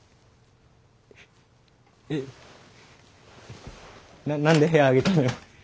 え何で部屋上げたのよ。